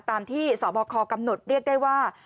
ตามที่สบคกำหนดเรียกได้ว่า